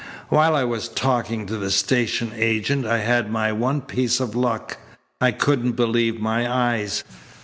While I was talking to the station agent I had my one piece of luck. I couldn't believe my eyes.